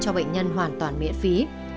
cho bệnh nhân hoàn toàn miễn phí